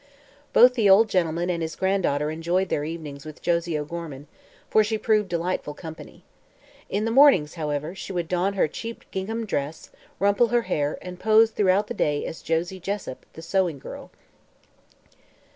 Both the old gentleman and his granddaughter enjoyed their evenings with Josie O'Gorman, for she proved delightful company. In the mornings, however, she would don her cheap gingham, rumple her hair, and pose throughout the day as Josie Jessup the sewing girl.